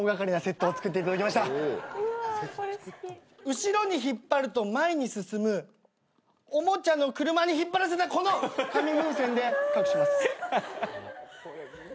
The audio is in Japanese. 後ろに引っ張ると前に進むおもちゃの車に引っ張らせたこの紙風船で隠します。